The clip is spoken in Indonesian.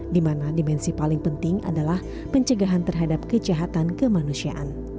di mana dimensi paling penting adalah pencegahan terhadap kejahatan kemanusiaan